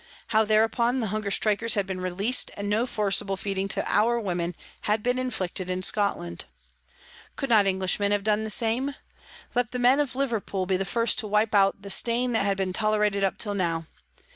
How thereupon the hunger strikers had been released and no forcible feeding to our women had been inflicted in Scotland. Could not Englishmen have done the same ? Let the men of Liverpool be the first to wipe out the stain that had been tolerated up till now.